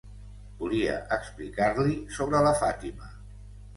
Volia explicar-li sobre la Fatima.